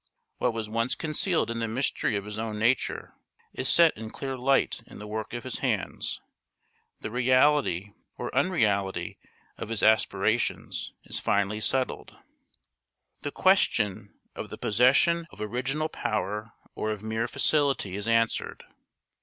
What was once concealed in the mystery of his own nature is set in clear light in the work of his hands; the reality or unreality of his aspirations is finally settled; the question of the possession of original power or of mere facility is answered.